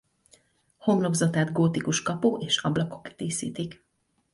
Homlokzatát gótikus kapu és ablakok díszítik.